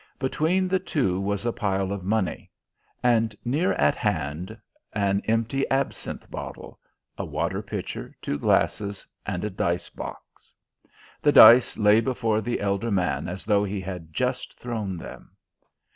Between the two was a pile of money, and near at hand an empty absinthe bottle, a water pitcher, two glasses, and a dice box. The dice lay before the elder man as though he had just thrown them.